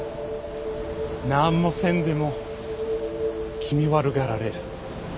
なーんもせんでも気味悪がられる！